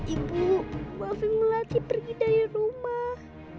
ibu waktu melati pergi dari rumah